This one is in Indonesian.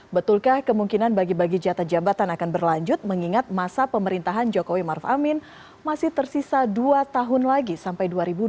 betulkah kemungkinan bagi bagi jatah jabatan akan berlanjut mengingat masa pemerintahan jokowi maruf amin masih tersisa dua tahun lagi sampai dua ribu dua puluh